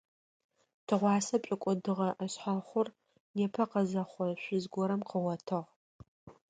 Тыгъуасэ пшӏокӏодыгъэ ӏэшъхьэхъур непэ къэзэхъо шъуз горэм къыгъотыгъ.